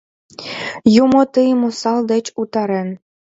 Юмо тыйым осал деч утарен.